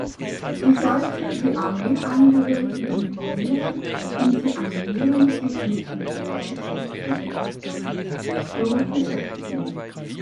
Sie sollte die Armeeangehörigen informieren und sie animieren, sich mit Militärgeschichte zu beschäftigen.